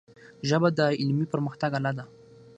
ژبه د علمي پرمختګ آله ده.